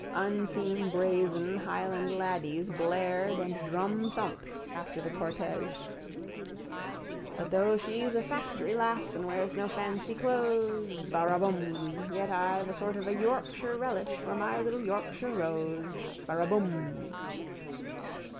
Unseen brazen highland laddies blared and drumthumped after the cortège: But though she's a factory lass And wears no fancy clothes. Baraabum. Yet I've a sort of a Yorkshire relish for My little Yorkshire rose. Baraabum.